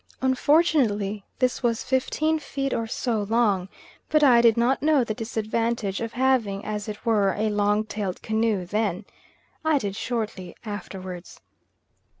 Unfortunately this was fifteen feet or so long, but I did not know the disadvantage of having, as it were, a long tailed canoe then I did shortly afterwards.